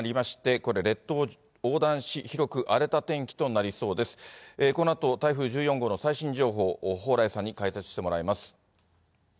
このあと、台風１４号の最新情報を蓬莱さんに開設してもらいます。